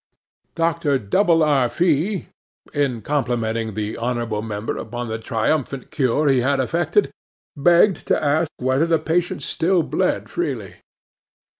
'DR. W. R. FEE, in complimenting the honourable member upon the triumphant cure he had effected, begged to ask whether the patient still bled freely?